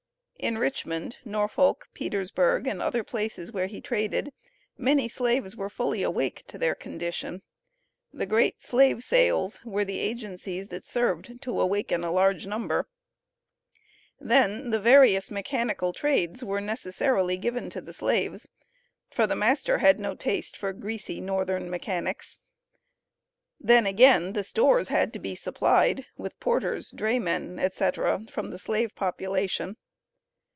In Richmond, Norfolk, Petersburg, and other places where he traded, many slaves were fully awake to their condition. The great slave sales were the agencies that served to awaken a large number. Then the various mechanical trades were necessarily given to the Slaves, for the master had no taste for "greasy, northern mechanics." Then, again, the stores had to be supplied with porters, draymen, etc., from the slave population.